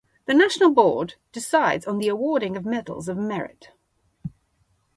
The national board decides on the awarding of medals of merit.